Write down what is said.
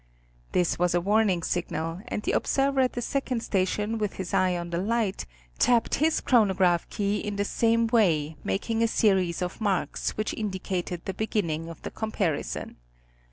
This was a warning signal, and the observer at the second station with his eye on the light, tapped his chronograph key in the same way making a series of marks, which indicated the beginning of the comparison.